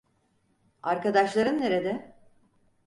Arkadaşların nerede?